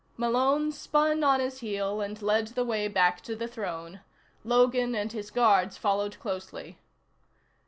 Malone spun on his heel and led the way back to the throne. Logan and his guards followed closely.